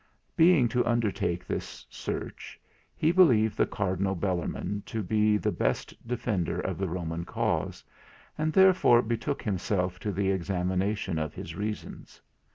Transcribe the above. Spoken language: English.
Being to undertake this search, he believed the Cardinal Bellarmine to be the best defender of the Roman cause, and therefore betook himself to the examination of his reasons.